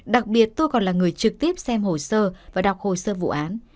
đặc biệt tôi còn là người trực tiếp xem hồ sơ và đọc hồ sơ vụ án